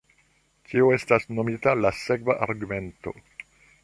Tio estas nomita la sekva argumento.